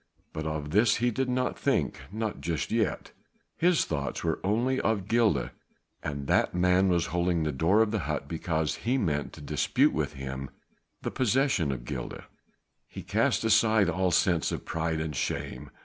But of this he did not think, not just yet. His thoughts were only of Gilda, and that man was holding the door of the hut because he meant to dispute with him the possession of Gilda. He cast aside all sense of pride and shame.